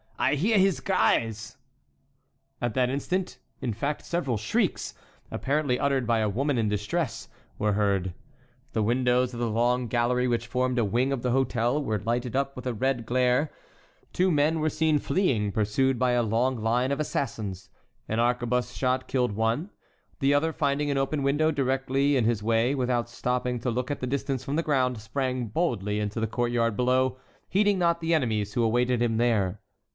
I hear his gries!" At that instant, in fact, several shrieks, apparently uttered by a woman in distress, were heard; the windows of the long gallery which formed a wing of the hotel were lighted up with a red glare; two men were seen fleeing, pursued by a long line of assassins. An arquebuse shot killed one; the other, finding an open window directly in his way, without stopping to look at the distance from the ground, sprang boldly into the courtyard below, heeding not the enemies who awaited him there.